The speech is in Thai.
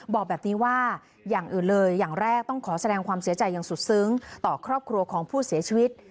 บอกแบบนี้ว่าอย่างอื่นเลยอย่างแรกต้องขอแสดงความเสียใจอย่างสุดซึ้งต่อครอบครัวของผู้เสียชีวิต